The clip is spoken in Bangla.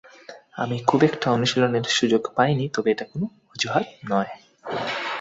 আমি খুব একটা অনুশীলনের সুযোগ পাইনি, তবে এটা কোনো অজুহাত নয়।